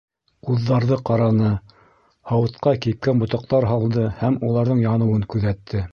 Ҡуҙҙарҙы ҡараны, һауытҡа кипкән ботаҡтар һалды һәм уларҙың яныуын күҙәтте.